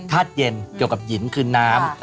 เย็นเกี่ยวกับหินคือน้ำ